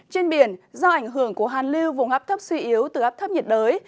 trên biển do ảnh hưởng của hàn lưu vùng áp thấp suy yếu từ áp thấp nhiệt đới